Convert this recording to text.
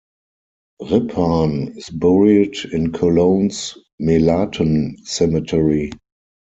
Riphahn is buried in Cologne's Melaten cemetery.